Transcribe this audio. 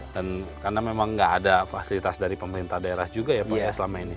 dan karena memang gak ada fasilitas dari pemerintah daerah juga ya pak ya selama ini